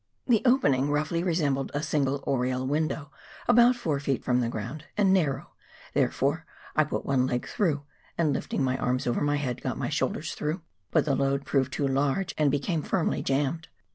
The opening roughly resembled a single oriel window about four feet from the ground, and narrow, therefore I put one leg through, and lifting my arms over my head got my shoulders through, but the load proved too large, and became firmly jammed.